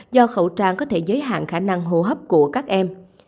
do khẩu trang có thể giới hạn khả năng hô hấp của các em